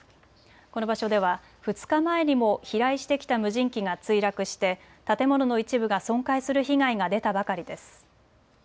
この場所では２日前にも飛来してきた無人機が墜落して建物の一部が損壊する被害が出たばかりです。